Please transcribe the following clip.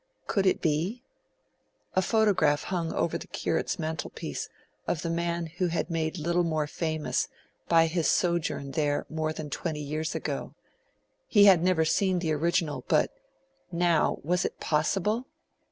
Could it be ? A photograph hung over the Curate's mantelpiece of the man who had made Littlemore famous by his sojourn there more than twenty years ago he had never seen the original; but now, was it possible